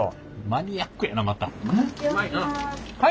マニアックやなまた。